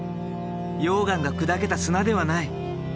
溶岩が砕けた砂ではない。